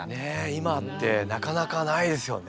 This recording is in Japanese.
今ってなかなかないですよね。